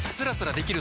できてる！